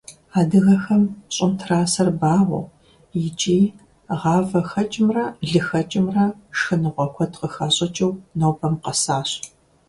Адыгэхэм щӀым трасэр багъуэу иӀки гъавэ хэкӀымрэ лы хэкӀымрэ шхыныгъуэ куэд къыхащӀыкӀыу нобэм къэсащ.